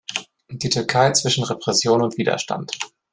Die Türkei zwischen Repression und Widerstand".